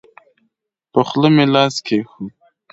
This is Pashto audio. په خوله مې لاس کېښود.